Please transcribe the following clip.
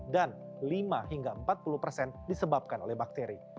dan lima hingga empat puluh persen disebabkan oleh bakteri